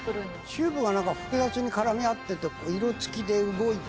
チューブが複雑に絡み合ってて色付きで動いて。